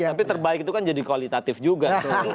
tapi terbaik itu kan jadi kualitatif juga